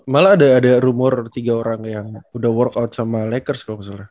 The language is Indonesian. malah ada rumor tiga orang yang udah work out sama lakers kalau misalnya